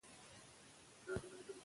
ایا ته د کوم ادبي راډیو اورېدونکی یې؟